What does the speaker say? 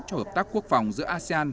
cho hợp tác quốc phòng giữa asean